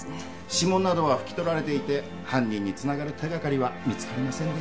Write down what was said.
指紋などは拭き取られていて犯人に繋がる手がかりは見つかりませんでした。